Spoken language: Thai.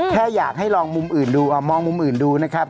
แค่อยากให้ลองมุมอื่นดูมองมุมอื่นดูนะครับ